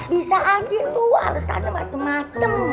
bisa aja luar sana matem matem